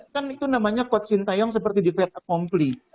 kan itu namanya koci tayong seperti di pet akompli